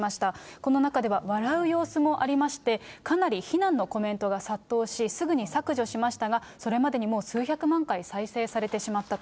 この中では、笑う様子もありまして、かなり非難のコメントが殺到し、すぐに削除しましたが、それまでにもう数百万回再生されてしまったと。